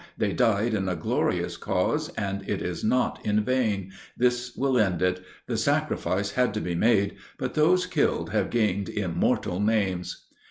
They died in a glorious cause, and it is not in vain. This will end it. The sacrifice had to be made, but those killed have gained immortal names."